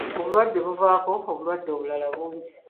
Obulwadde buvaako obulwadde obulala bungi.